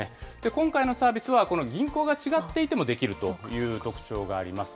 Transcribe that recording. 今回のサービスは、銀行が違っていてもできるという特徴があります。